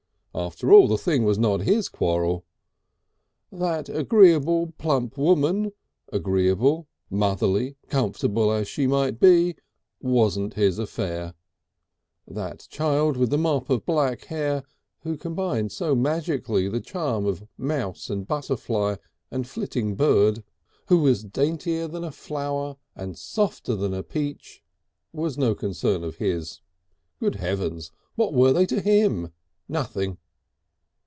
For after all, the thing was not his quarrel. That agreeable plump woman, agreeable, motherly, comfortable as she might be, wasn't his affair; that child with the mop of black hair who combined so magically the charm of mouse and butterfly and flitting bird, who was daintier than a flower and softer than a peach, was no concern of his. Good heavens! what were they to him? Nothing!...